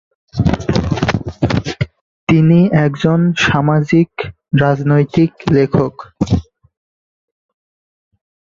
তিনি একজন সামাজিক-রাজনৈতিক লেখক।